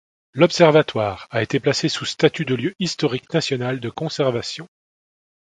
L'observatoire a été placé sous statut de lieu historique national de conservation.